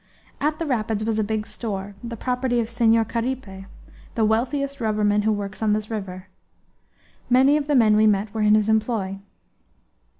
At the rapids was a big store, the property of Senhor Caripe, the wealthiest rubberman who works on this river; many of the men we met were in his employ.